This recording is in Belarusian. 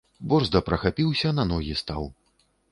Борзда прахапіўся, на ногі стаў.